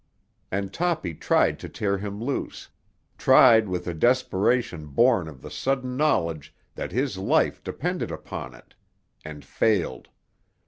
And Toppy tried to tear him loose—tried with a desperation born of the sudden knowledge that his life depended upon it; and failed.